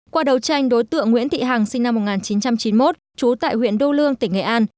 qua đấu tranh đối tượng nguyễn thị hằng sinh năm một nghìn chín trăm chín mươi một trú tại huyện đô lương tỉnh nghệ an